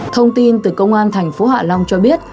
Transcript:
thông tin từ công an thành phố hạ long cho biết